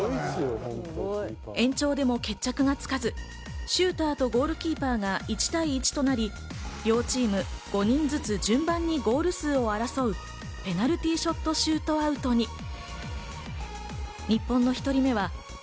延長でも決着がつかず、シューターとゴールキーパーが１対１となり、両チーム５人ずつ順番にゴール数を争うペナルティーショットシュートアウトに。